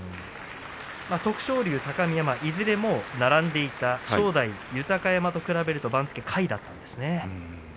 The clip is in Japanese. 徳勝龍、高見山いずれも並んでいた正代、豊山と比べると番付下位だったんですね。